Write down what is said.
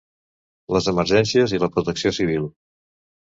Les emergències i la protecció civil.